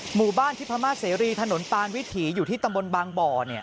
หมู่บ้านที่พม่าเสรีถนนปานวิถีอยู่ที่ตำบลบางบ่อ